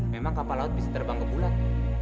memang kapal laut bisa terbang ke bulat